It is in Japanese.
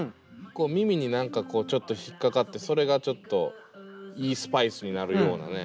こう耳に何かちょっと引っ掛かってそれがちょっといいスパイスになるようなね。